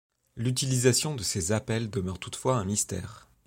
L’utilisation de ces Appels demeure toutefois un mystère.